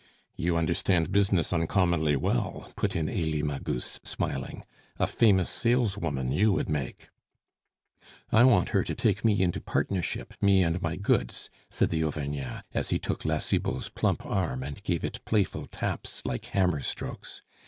"You understand business uncommonly well!" put in Elie Magus, smiling; "a famous saleswoman you would make!" "I want her to take me into partnership, me and my goods," said the Auvergnat, as he took La Cibot's plump arm and gave it playful taps like hammer strokes.